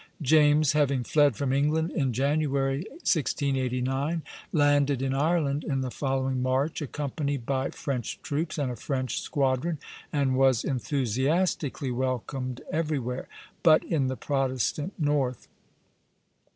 James, having fled from England in January, 1689, landed in Ireland in the following March, accompanied by French troops and a French squadron, and was enthusiastically welcomed everywhere but in the Protestant North.